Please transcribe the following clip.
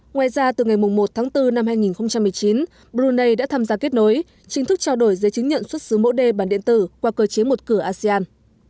ngoài ra từ ngày một tháng bốn năm hai nghìn một mươi chín brunei đã tham gia kết nối chính thức trao đổi giấy chứng nhận xuất xứ mẫu đê bản điện tử qua cơ chế một cửa asean